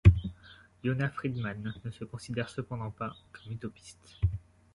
Yona Friedman ne se considère cependant pas comme utopiste.